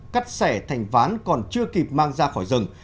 cắt xẻ thành ván còn chưa kịp mang ra khỏi rừng